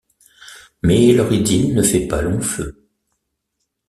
Mais leur idylle ne fait pas long feu.